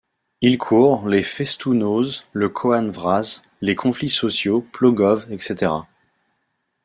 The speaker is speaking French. Il court les festou-noz, le Koan Vraz, les conflits sociaux, Plogoff, etc.